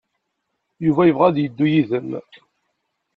Yuba yebɣa ad yeddu yid-m.